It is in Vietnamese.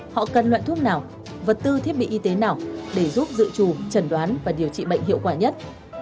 họ cần loại thuốc nào vật tư thiết bị y tế nào để giúp dự trù trần đoán và điều trị bệnh hiệu quả nhất